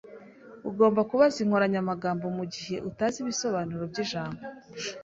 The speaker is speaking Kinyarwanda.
Ugomba kubaza inkoranyamagambo mugihe utazi ibisobanuro byijambo.